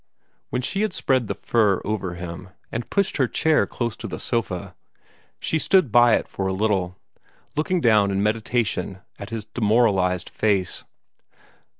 When she had spread the fur over him, and pushed her chair close to the sofa, she stood by it for a little, looking down in meditation at his demoralized face.